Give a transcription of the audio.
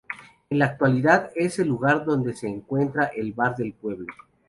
En la actualidad es el lugar donde se encuentra el bar del pueblo.